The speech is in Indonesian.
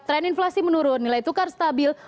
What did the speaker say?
tren inflasi menurun nilai tukar stabil